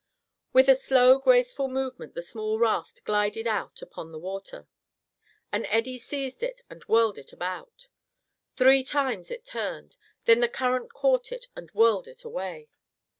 With a slow graceful movement the small raft glided out upon the water. An eddy seized it and whirled it about. Three times it turned, then the current caught it, and whirled it away.